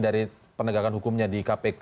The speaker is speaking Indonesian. dari penegakan hukumnya di kpk